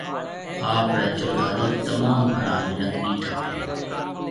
آپرَي چوڌاري تموم گھڻا مِنک ڏيٺا۔